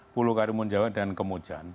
pulau karimun jawa dan kemujan